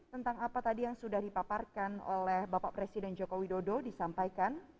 tentang apa tadi yang sudah dipaparkan oleh bapak presiden joko widodo disampaikan